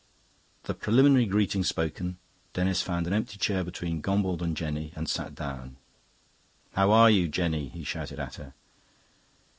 The preliminary greetings spoken, Denis found an empty chair between Gombauld and Jenny and sat down. "How are you, Jenny?" he shouted to her.